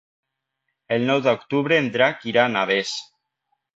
El nou d'octubre en Drac irà a Navès.